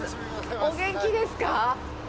お元気ですか？